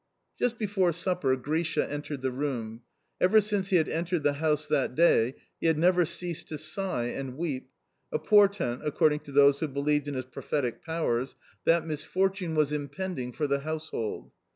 Just before supper Grisha entered the room. Ever since he had entered the house that day he had never ceased to sigh and weep a portent, according to those who believed in his prophetic powers, that misfortune was impending for the household.